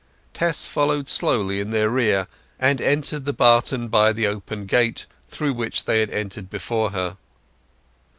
Tess followed slowly in their rear, and entered the barton by the open gate through which they had entered before her.